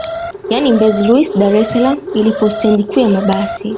Yani Mbezi Luis Dar es salaam ilipo stendi kuu ya mabasi